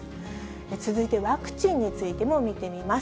続いてワクチンについても見てみます。